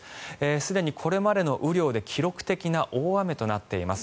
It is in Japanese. すでにこれまでの雨量で記録的な大雨となっています。